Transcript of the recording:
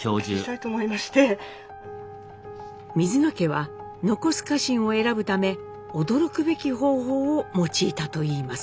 水野家は残す家臣を選ぶため驚くべき方法を用いたといいます。